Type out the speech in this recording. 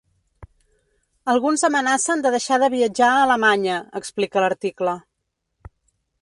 Alguns amenacen de deixar de viatjar a Alemanya, explica l’article.